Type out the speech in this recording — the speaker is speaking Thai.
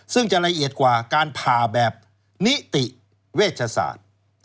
ซึ่งจะละเอียดกว่าการผ่าแบบนิติเวชศาสตร์